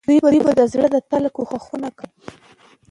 دوی به د زړه له تله کوښښونه کول.